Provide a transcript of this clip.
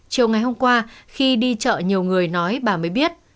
chiều ngày hôm qua khi đi chợ nhiều người nói bà mới biết